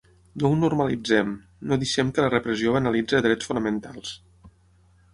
No ho normalitzem, no deixem que la repressió banalitzi drets fonamentals.